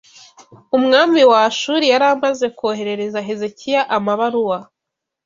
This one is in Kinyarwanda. Umwami wa Ashuri yari amaze koherereza Hezekiya amabaruwa.